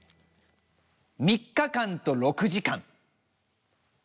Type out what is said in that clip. ３日間と６時間。